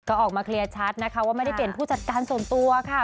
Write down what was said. ก็ออกมาเคลียร์ชัดนะคะว่าไม่ได้เปลี่ยนผู้จัดการส่วนตัวค่ะ